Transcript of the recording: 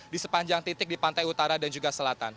di sepanjang titik di pantai utara dan juga selatan